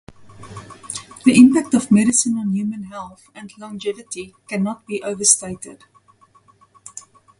The impact of medicine on human health and longevity cannot be overstated.